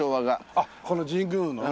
あっこの神宮のね。